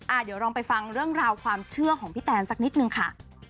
เดี๋ยวลองไปฟังเรื่องราวความเชื่อของพี่แตนสักนิดนึงค่ะ